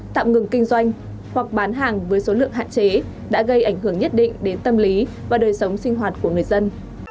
tạm ngừng kinh doanh hoặc bán hàng với số lượng hạn chế đã gây ảnh hưởng nhất định đến tâm lý và đời sống sinh hoạt của người dân